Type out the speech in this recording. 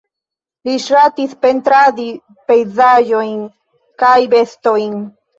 Li ŝatis pentradi pejzaĝojn kaj bestojn.